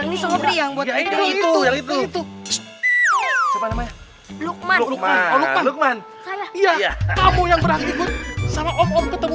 ini yang buat itu itu itu itu lukman lukman lukman iya kamu yang berhati hati sama om ketemu